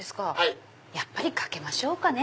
やっぱりかけましょうかね。